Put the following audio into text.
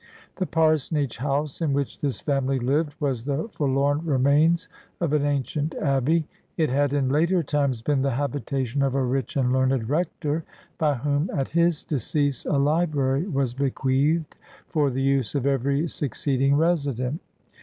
The parsonage house in which this family lived was the forlorn remains of an ancient abbey: it had in later times been the habitation of a rich and learned rector, by whom, at his decease, a library was bequeathed for the use of every succeeding resident.